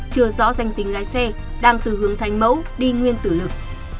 chưa rõ danh tính lái xe đang từ hướng thành mẫu đi nguyên tử lực